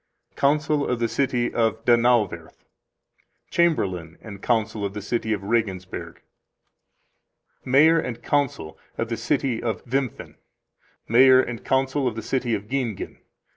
Council of the City of Donauwoerth. Chamberlain and Council of the City of Regensburg. Mayor and Council of the City of Wimpffen. Mayor and Council of the City of Giengen.